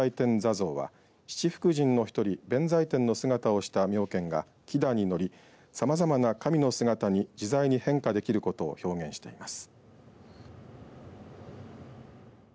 坐像は七福神の１人弁才天の姿をした妙見が亀蛇に乗り、さまざまな神の姿に自在に変化できることを表現しています。